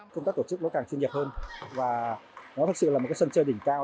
công tác tổ chức nó càng chuyên nghiệp hơn và nó thực sự là một cái sân chơi đỉnh cao